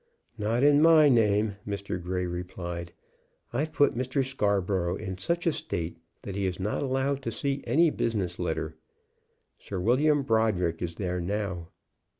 "Not in my name," Mr. Grey replied. "I've put Mr. Scarborough in such a state that he is not allowed to see any business letter. Sir William Brodrick is there now."